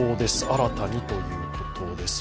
新たにということです。